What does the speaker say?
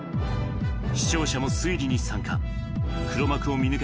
視聴者も推理に参加。